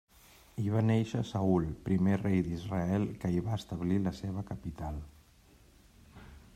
Hi va néixer Saül, primer rei d'Israel, que hi va establir la seva capital.